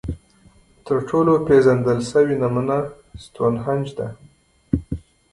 تر ټولو پېژندل شوې نمونه ستونهنج ده.